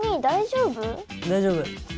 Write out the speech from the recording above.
大丈夫。